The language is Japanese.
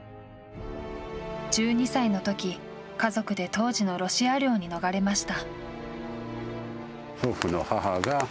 １２歳のとき家族で当時のロシア領に逃れました。